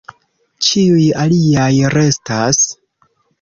Ĉiuj aliaj restas.